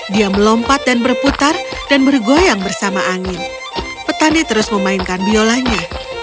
dia melompat dan berputar dan bergoyang bersama angin petani terus memainkan biolanya